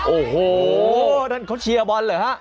โอ้โหนั่นเขาเชียร์บอลเหรอฮะ